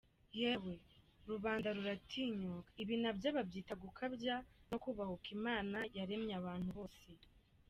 Yewe, rubanda ruratinyuka, ibi nabyo babyita gukabya no kubahuka Imana yaremye abantu bose.